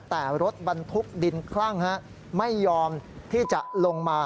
แต่รถบรรทุกดินคลั่งไม่ยอมที่จะลงมา